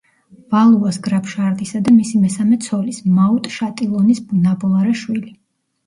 ვალუას გრაფ შარლისა და მისი მესამე ცოლის, მაუტ შატილონის ნაბოლარა შვილი.